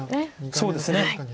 そうですね。